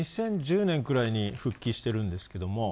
２０１０年くらいに復帰しているんですが。